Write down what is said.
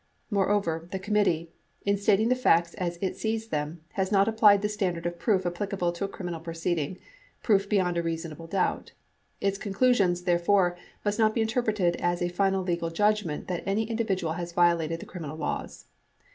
Moreover, the committee, in stating the facts as it sees them, has not applied the standard of proof applicable to a criminal proceeding — proof beyond a reasonable doubt. Its conclu sions, therefore, must not be interpreted as a final legal judgment that any individual has violated the criminal laws.